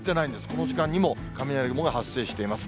この時間にも雷雲が発生しています。